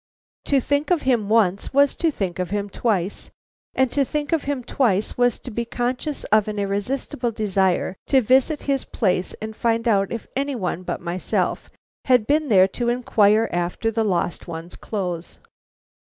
To think of him once was to think of him twice, and to think of him twice was to be conscious of an irresistible desire to visit his place and find out if any one but myself had been there to inquire after the lost one's clothes.